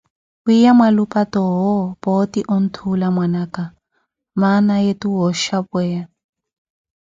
Wiiya mwalupa toowo, pooti onthuula mwana aka, mana ye tooxhapweya.